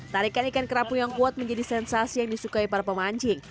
tarikan ikan kerapu yang kuat menjadi sensasi yang disukai para pemancing